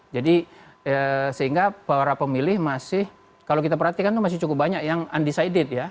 jadi sehingga para pemilih masih kalau kita perhatikan itu masih cukup banyak yang undecided ya